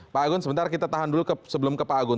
pak agun sebentar kita tahan dulu sebelum ke pak agun